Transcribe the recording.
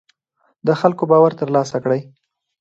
د خلکو باور تر لاسه کړئ